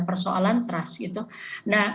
persoalan trust gitu nah